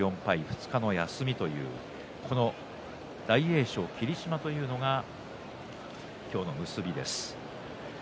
ここまで４勝４敗２日の休み大栄翔、霧島というのが今日の結びです。